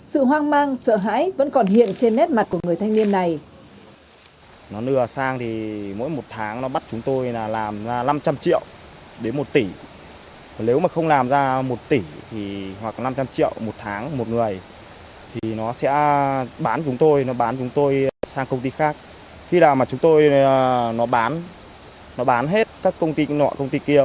sự hoang mang sợ hãi vẫn còn hiện trên nét mặt của người thanh niên này